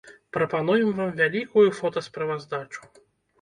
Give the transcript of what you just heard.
Прапануем вам вялікую фотасправаздачу.